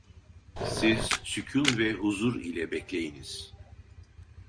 Siz sükun ve huzur ile bekleyiniz…